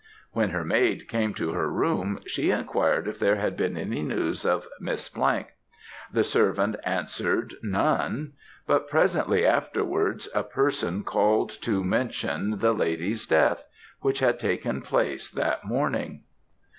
When her maid came to her room, she enquired if there had been any news of Miss . The servant answered, none; but presently afterwards, a person called to mention the lady's death, which had taken place that morning."